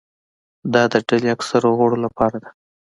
دا د ډلې اکثرو غړو لپاره ده.